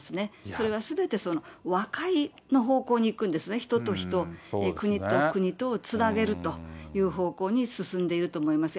それはすべて、和解の方向にいくんですね、人と人、国と国とをつなげるという方向に進んでいると思います。